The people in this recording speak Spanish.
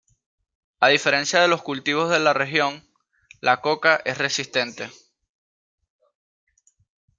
A diferencia de los cultivos de la región, la coca es resistente.